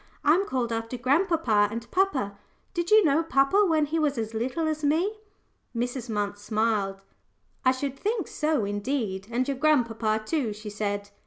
"I'm called after grandpapa and papa. Did you know papa when he was as little as me?" Mrs. Munt smiled. "I should think so, indeed and your grandpapa too," she said.